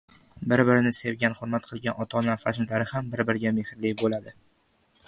Bir-birini sevgan, hurmat qilgan ota-ona farzandlari ham bir-biriga mehrli bo‘ladi.